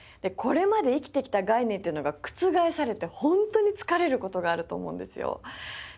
これまで生きてきた概念っていうのが覆されて本当に疲れる事があると思うんですよ。